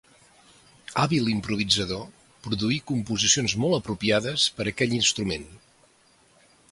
Hàbil improvisador, produí composicions molt apropiades per aquell instrument.